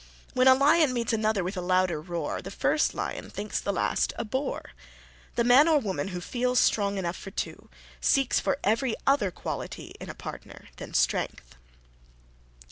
When a lion meets another with a louder roar "the first lion thinks the last a bore." The man or woman who feels strong enough for two, seeks for every other quality in a partner than strength.